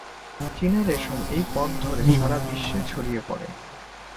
চীনা রেশম এই পথ ধরে সারা বিশ্বে ছড়িয়ে পড়ে।